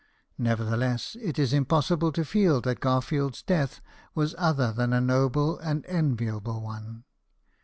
Never theless, it is impossible to feel that Garfield's death was other than a noble and enviable one.